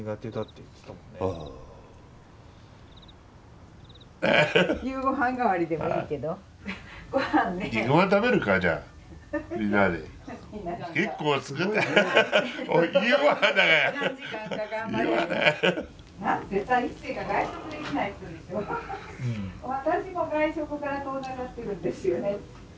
私も外食から遠ざかってるんですよね。